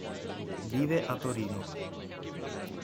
Vive a Torino.